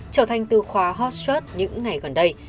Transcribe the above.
trở thành tư khoa hot shot những ngày gần đây